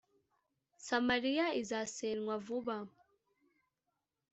Samariya izasenywa vuba